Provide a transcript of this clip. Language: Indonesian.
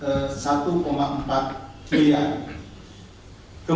kemudian pihak yang ditangkap di bandung adalah kfm bs mb dan at